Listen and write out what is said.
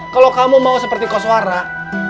kalau kamu mau seperti kos warang